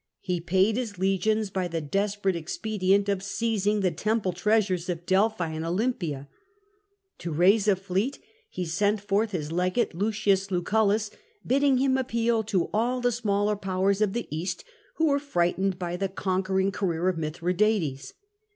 He paid his legions by the desperate expedient of seizing the temple treasures of Delphi and Olympia. To raise a fleet he sent forth his legate, L. Lucullus, bidding him appeal to all the smaller powers of the East, who were frightened by the conquering career of Mithradates.